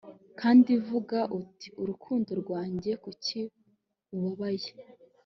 kandi vuga uti, urukundo rwanjye, kuki ubabaye